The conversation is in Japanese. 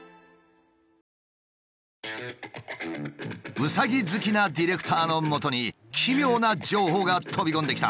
ウサギ好きなディレクターのもとに奇妙な情報が飛び込んできた。